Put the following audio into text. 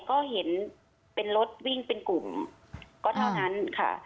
ก็เห็นเป็นรถวิ่งเป็นกลุ่มก็เท่านั้นค่ะ